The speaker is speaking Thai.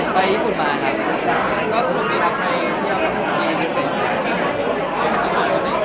ไปญี่ปุ่นมาครับก็สนุกดีครับในปีภาษาอังกฤษ